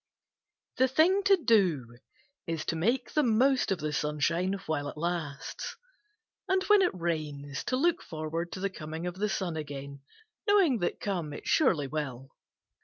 The thing to do is to make the most of the sunshine while it lasts, and when it rains to look forward to the corning of the sun again, knowing that conic it surely will.